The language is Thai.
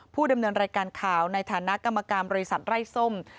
ดำเนินรายการข่าวในฐานะกรรมการบริษัทไร้ส้ม